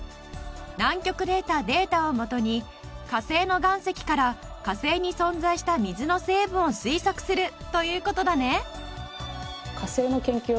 南極で得たデータを元に火星の岩石から火星に存在した水の成分を推測するという事だね。